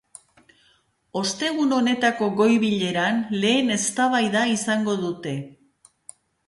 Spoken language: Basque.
Ostegun honetako goi-bileran lehen eztabaida izango dute.